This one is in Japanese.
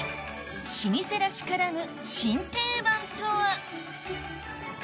老舗らしからぬ新定番とは？